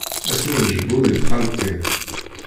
Ass mi njebbu di tɣaltin.